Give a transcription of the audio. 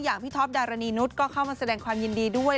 พี่ท็อปดารณีนุษย์ก็เข้ามาแสดงความยินดีด้วย